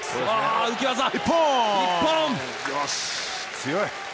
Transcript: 強い！